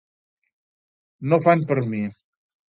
No fan per mi.